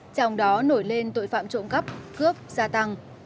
trong đó nổi lên tội phạm trộm cắp cướp gia tăng